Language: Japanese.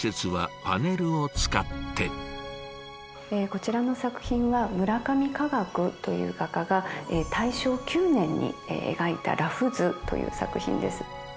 こちらの作品は村上華岳という画家が大正９年に描いた「裸婦図」という作品です。